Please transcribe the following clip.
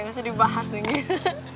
gak usah dibahas nih